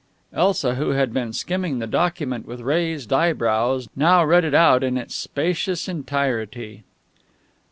Elsa, who had been skimming the document with raised eyebrows, now read it out in its spacious entirety.